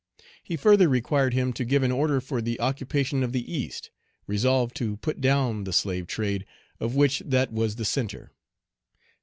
He further required him to give an order for the occupation of the East, resolved to put down the slave trade, of which that was the centre.